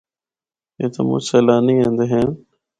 اِتھا مُچ سیلانی ایندے ہن۔